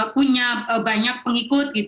punya banyak pengikut